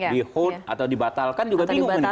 di hold atau dibatalkan juga bingung nih